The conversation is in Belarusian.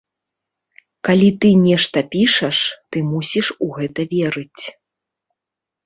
Калі ты нешта пішаш, ты мусіш у гэта верыць.